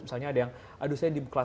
misalnya ada yang aduh saya di kelas